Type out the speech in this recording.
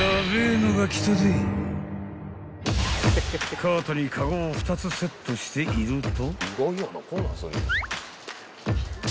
［カートにカゴを２つセットしていると］